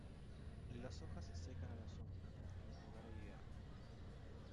Las hojas se secan a la sombra, en un lugar aireado.